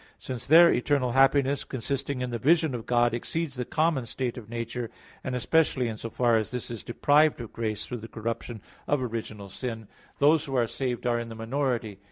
Since their eternal happiness, consisting in the vision of God, exceeds the common state of nature, and especially in so far as this is deprived of grace through the corruption of original sin, those who are saved are in the minority.